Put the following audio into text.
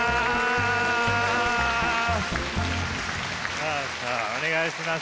さあさあお願いします。